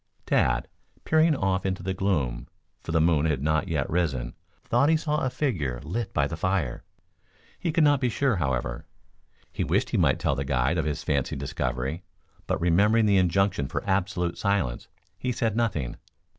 Tad, peering off into the gloom, for the moon had not yet risen, thought he saw a figure flit by the fire. He could not be sure, however. He wished he might tell the guide of his fancied discovery; but, remembering the injunction for absolute silence, he said nothing.